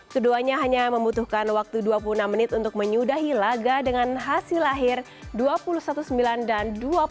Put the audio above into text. keduanya hanya membutuhkan waktu dua puluh enam menit untuk menyudahi laga dengan hasil lahir dua puluh satu sembilan dan dua puluh satu